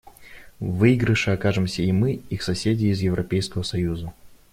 В выигрыше окажемся и мы, их соседи из Европейского союза.